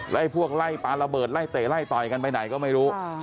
ไอ้พวกไล่ปลาระเบิดไล่เตะไล่ต่อยกันไปไหนก็ไม่รู้